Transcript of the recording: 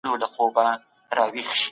د اقتصاد څرخ باید په چټکۍ سره وګرځي.